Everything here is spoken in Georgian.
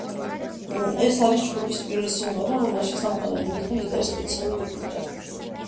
ეს არის ჯგუფის პირველი სიმღერა, რომელშიც გამოყენებული იქნა გიტარის სპეციალური ეფექტები.